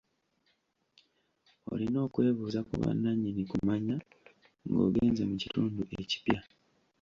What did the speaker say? Olina okwebuuza ku bannannyini kumanya ng'ogenze mu kitundu ekipya.